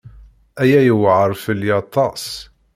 Aya yewɛeṛ fell-i aṭas.